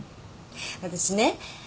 私ね